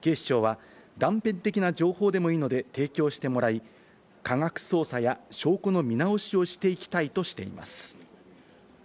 警視庁は断片的な情報でもいいので提供してもらい、科学捜査や証拠の見直しをしていきたいとしています。